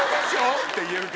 ⁉って言えるけど。